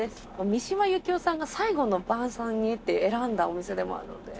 三島由紀夫さんが最後の晩餐にって選んだお店でもあるので。